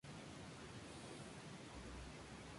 La Segunda Guerra Mundial había estallado.